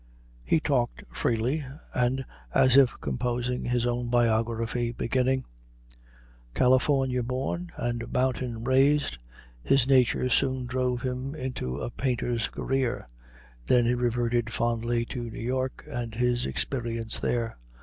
He talked freely, and as if composing his own biography, beginning: "California born and mountain raised, his nature soon drove him into a painter's career." Then he reverted fondly to New York and his experience there.